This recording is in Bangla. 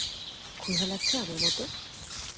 ক্ষুধা লাগছে আমার মত?